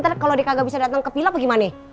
nanti kalau dia kagak bisa datang ke pila apa gimana